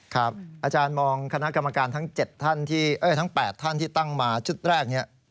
ครับอาจารย์มองคณะกรรมการทั้ง๘ท่านที่ตั้งมาชุดแรกนี้